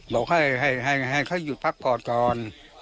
บอกให้ให้ให้ให้ให้เขาหยุดภักด์ก่อน